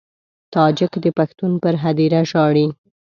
تاجک د پښتون پر هدیره ژاړي.